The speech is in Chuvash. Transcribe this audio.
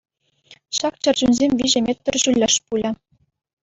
Ҫак чӗрчунсем виҫӗ метр ҫуллӗш пулӗ.